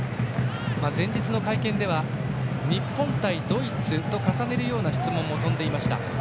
前日の会見では日本対ドイツと重ねるような質問も飛んでいました。